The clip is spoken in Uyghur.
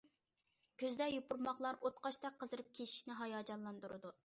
كۈزدە يوپۇرماقلار ئوتقاشتەك قىزىرىپ كىشىنى ھاياجانلاندۇرىدۇ.